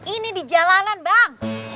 ini di jalanan bang